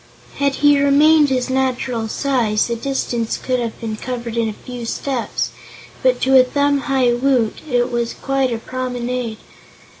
Had he remained his natural size, the distance could have been covered in a few steps, but to a thumb high Woot it was quite a promenade.